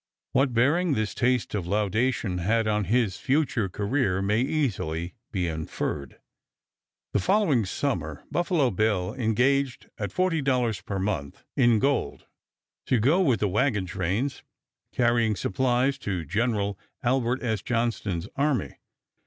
What bearing this taste of laudation had on his future career may easily be inferred. The following summer Buffalo Bill engaged at $40 per month, in gold, to go with the wagon trains carrying supplies to Gen. Albert S. Johnston's army.